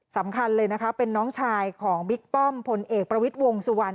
สำคัญเลยนะคะเป็นน้องชายของบิ๊กป้อมพลเอกประวิทย์วงสุวรรณ